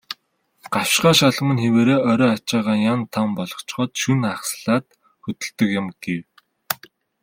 "Гавшгай шалмаг нь хэвээрээ, орой ачаагаа ян тан болгочхоод шөнө хагаслаад хөдөлдөг юм" гэв.